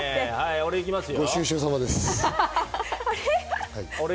俺、行きますよ。